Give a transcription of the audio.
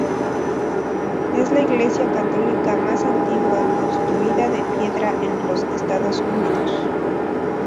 Es la iglesia católica más antigua construida de Piedra en los Estados Unidos.